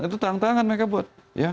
itu tangan tangan mereka buat